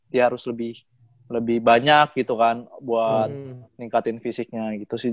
dia harus lebih banyak gitu kan buat ningkatin fisiknya gitu sih